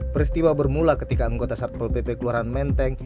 peristiwa bermula ketika anggota satpol pp keluaran menteng